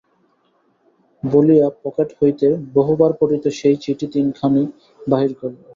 বলিয়া পকেট হইতে বহুবার পঠিত সেই চিঠি তিনখানি বাহির করিল।